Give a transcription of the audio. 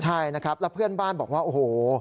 ใช่นะครับแล้วเพื่อนบ้านบอกว่าโอ้โห